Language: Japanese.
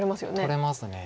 取れます。